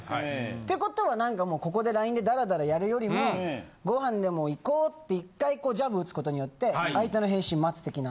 って事は何かもうここでＬＩＮＥでダラダラやるよりもご飯でも行こって一回ジャブ打つことによって相手の返信待つ的な。